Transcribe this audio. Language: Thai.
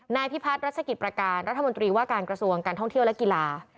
นายพิพัฒน์รัชกิจประการรัฐมนตรีว่าการกระทรวงการท่องเที่ยวและกีฬา